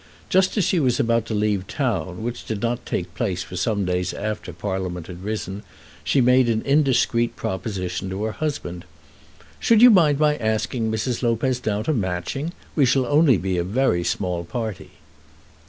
Just as she was about to leave town, which did not take place for some days after Parliament had risen, she made an indiscreet proposition to her husband. "Should you mind my asking Mrs. Lopez down to Matching? We shall only be a very small party."